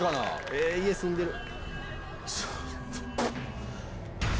ええ家住んでる。